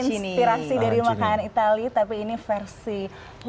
terinspirasi dari makanan itali tapi ini versi lokal